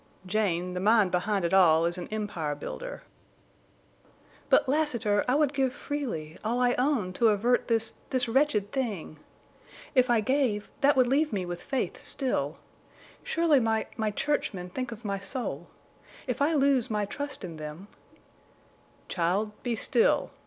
"Jane, the mind behind it all is an empire builder." "But, Lassiter, I would give freely—all I own to avert this—this wretched thing. If I gave—that would leave me with faith still. Surely my—my churchmen think of my soul? If I lose my trust in them—" "Child, be still!"